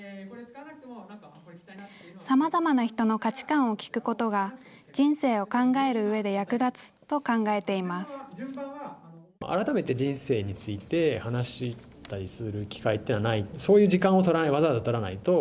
さまざまな人の価値観を聞くことが、人生を考えるうえで役立つと考えています。